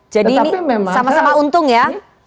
jadi ini sama sama untung ya